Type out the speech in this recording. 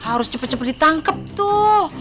harus cepet cepet ditangkep tuh